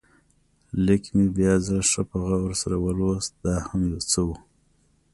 لیک مې بیا ځل ښه په غور سره ولوست، دا هم یو څه و.